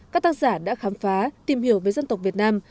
các tác giả đã khám phá tìm hiểu về dân tộc việt nam